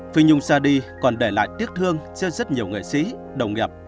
phi nhung ra đi còn để lại tiếc thương cho rất nhiều nghệ sĩ đồng nghiệp